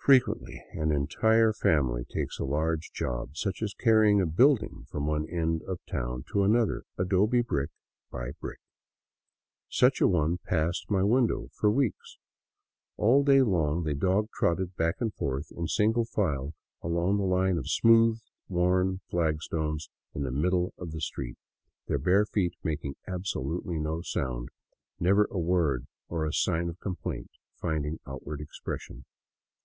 Frequently an entire family takes a large job, such as carrying a building from one end of town to another, adobe brick by brick. Such a one passed my window for weeks. All day long they dog trotted back and forth in single file along the line of smooth worn flagstones in the middle of the street, their bare feet making absolutely no sound, never a word or a sign of complaint finding outward expression.